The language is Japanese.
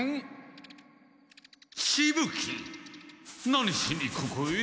何しにここへ？